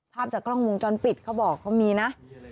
ภาพจากกล้องวงจรปิดเขาบอกเขามีนะ